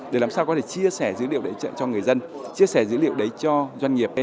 để làm sao có thể chia sẻ dữ liệu đấy cho người dân chia sẻ dữ liệu đấy cho doanh nghiệp